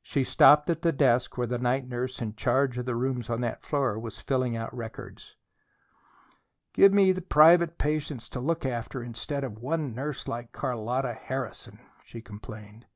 She stopped at the desk where the night nurse in charge of the rooms on that floor was filling out records. "Give me twelve private patients to look after instead of one nurse like Carlotta Harrison!" she complained.